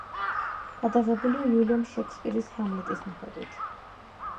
გადაღებულია უილიამ შექსპირის ჰამლეტის მიხედვით.